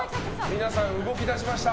皆さん、動き出しました。